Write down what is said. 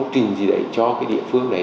một trình gì đấy cho cái địa phương